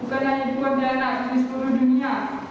bukan hanya di pontianak di seluruh dunia